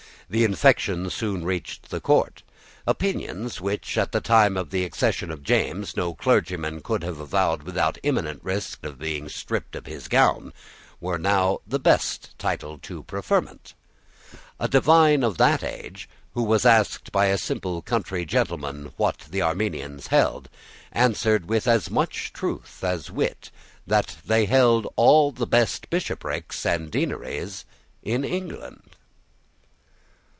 The infection soon reached the court. Opinions which at the time of the accession of James, no clergyman could have avowed without imminent risk of being stripped of his gown, were now the best title to preferment. A divine of that age, who was asked by a simple country gentleman what the Arminians held, answered, with as much truth as wit, that they held all the best bishoprics and deaneries in England.